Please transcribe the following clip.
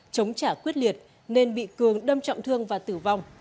chống trả quyết liệt nên bị cường đâm trọng thương và tử vong